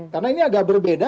karena ini agak berbeda